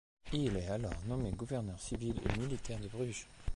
Il est alors nommé gouverneur civil et militaire de Bruges.